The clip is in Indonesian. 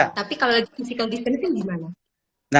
tapi kalau physical distance itu gimana